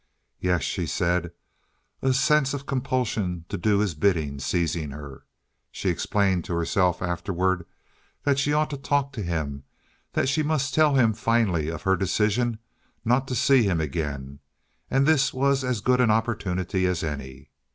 "Yes," she said, a sense of compulsion to do his bidding seizing her. She explained to herself afterward that she ought to talk to him, that she must tell him finally of her decision not to see him again, and this was as good an opportunity as any.